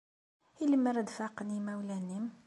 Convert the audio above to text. I lemmer ad faqen yimawlan-nnem?